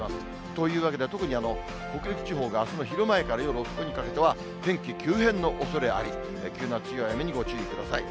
というわけで、特に北陸地方があすの昼前から夜遅くにかけては、天気急変のおそれあり、急な強い雨にご注意ください。